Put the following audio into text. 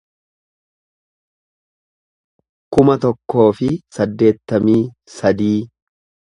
kuma tokkoo fi saddeettamii sadii